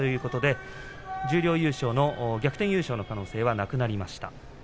十両優勝、逆転優勝の可能性はなくなりました。